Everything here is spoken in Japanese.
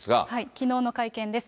きのうの会見です。